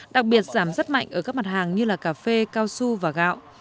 đặc biệt giảm rất mạnh ở các mặt hàng như là cà phê cao su và gạo